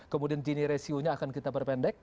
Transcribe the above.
kemudian gini resiunya akan kita perpendek